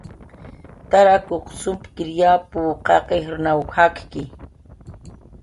Tarakuq sumkir yapu, qaq ijrnaw jakki.